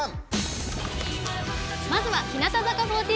まずは日向坂４６。